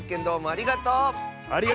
ありがとう！